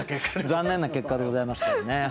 残念な結果でございますけどね。